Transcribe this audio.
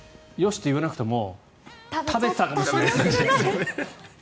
って言わなくても食べてたかもしれない。